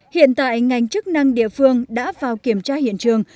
hiện tại ngành chức năng địa phương đã vào kiểm tra hiện trường